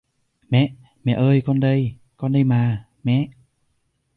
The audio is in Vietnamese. Mẹ Mẹ ơi con đây con đây mà mẹ